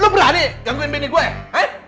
lo berani gangguin bini gua ya